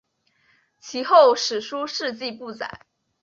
其后史书事迹不载。